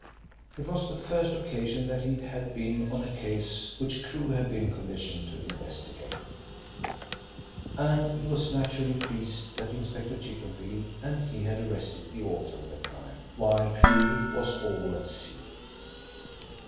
It was the first occasion that he had been on a case which Crewe had been commissioned to investigate, and he was naturally pleased that Inspector Chippenfield and he had arrested the author of the crime while Crewe was all at sea.